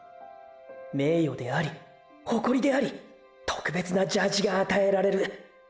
名誉であり誇りであり「特別なジャージ」が与えられる。